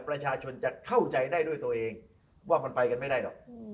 ประชาชนจะเข้าใจได้ด้วยตัวเองว่ามันไปกันไม่ได้หรอก